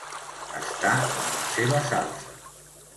Està en la seva salsa.